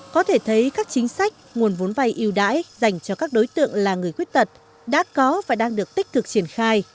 có thể thấy các chính sách nguồn vốn vay yêu đãi dành cho các đối tượng là người khuyết tật đã có và đang được tích cực triển khai